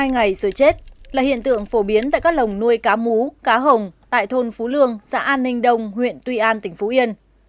một mươi ngày rồi chết là hiện tượng phổ biến tại các lồng nuôi cá mú cá hồng tại thôn phú lương xã an ninh đông huyện tuy an tỉnh phú yên